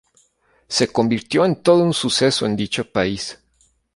Se convirtió en todo un suceso en dicho país.